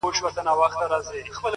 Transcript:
هوډ د وېرې زنځیرونه کمزوري کوي؛